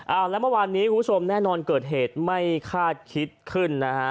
เอาแล้วเมื่อวานนี้คุณผู้ชมแน่นอนเกิดเหตุไม่คาดคิดขึ้นนะฮะ